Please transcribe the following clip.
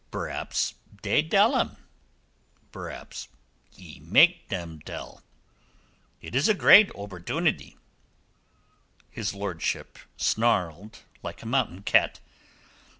Berhabs dey dell him. Berhabs he make dem tell. Id is a great obbordunidy." His lordship snarled like a mountain cat.